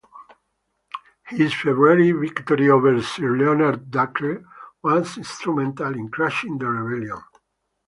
His February victory over Sir Leonard Dacre was instrumental in crushing the rebellion.